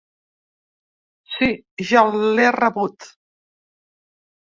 Si, ja l'he rebut.